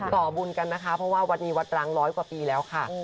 ต่อบุญกันนะคะเพราะวัดนี้วัดรัง๑๐๐ปีแล้วค่ะ